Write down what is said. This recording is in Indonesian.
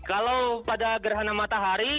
kalau pada gerhana matahari